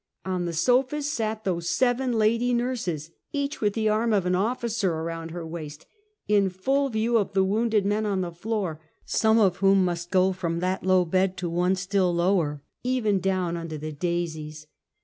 On the sofas sat those seven lady nurses, each with the arm of an officer around her waist^ in full view of the wounded men on the floor, some of whom must go from that low bed, to one still lower — even down under the daisies.